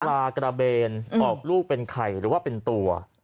ลากระเบนออกลูกเป็นไข่หรือว่าเป็นตัว